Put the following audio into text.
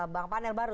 bang panel baru